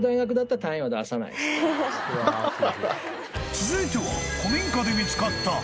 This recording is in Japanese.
［続いては］